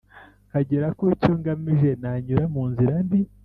nkagera kucyo ngamije nanyura munzira mbi